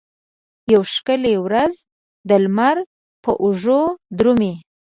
یوه ښکلې ورځ د لمر په اوږو درومې